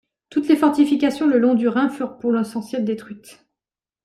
Toutes les fortifications le long du Rhin furent pour l'essentiel détruites.